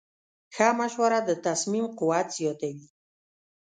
ښه مشوره د تصمیم قوت زیاتوي.